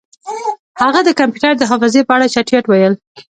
هغه د کمپیوټر د حافظې په اړه چټیات ویل